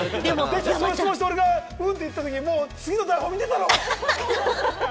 その質問して僕が「うん」って言ったときに、もう台本見てたろ！